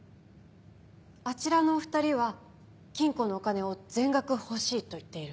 あちらのお２人は金庫のお金を全額欲しいと言っている。